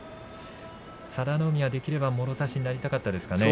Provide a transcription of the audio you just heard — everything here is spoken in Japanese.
佐田の海はできればもろ差しになりたかったですか。